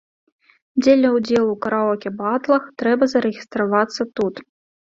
Дзеля ўдзелу ў караоке-батлах трэба зарэгістравацца тут.